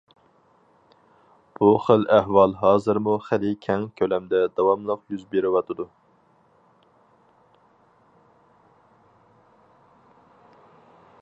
بۇ خىل ئەھۋال ھازىرمۇ خېلى كەڭ كۆلەمدە داۋاملىق يۈز بېرىۋاتىدۇ.